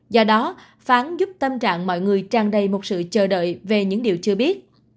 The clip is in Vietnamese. do đó phán giúp tâm trạng mọi người tràn đầy một sự chờ đợi về những điều chưa biết